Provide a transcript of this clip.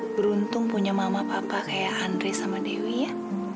beruntung punya mama papa kayak andre sama dewi ya